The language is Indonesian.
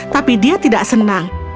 tapi dia tidak senang